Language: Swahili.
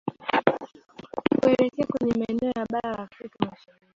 kuelekea kwenye maeneo ya Bara la Afrika Mashariki